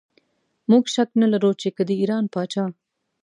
موږ شک نه لرو چې که د ایران پاچا.